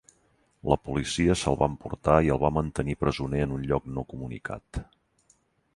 La policia se'l va emportar i el va mantenir presoner en un lloc no comunicat.